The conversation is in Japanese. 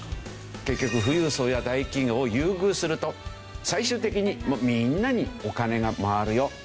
結局富裕層や大企業を優遇すると最終的にみんなにお金が回るよという。